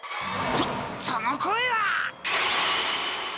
そその声は！？